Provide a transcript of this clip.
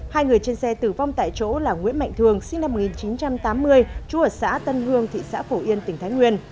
hai người trên xe tử vong tại chỗ là nguyễn mạnh thường sinh năm một nghìn chín trăm tám mươi trú ở xã tân hương thị xã phổ yên tỉnh thái nguyên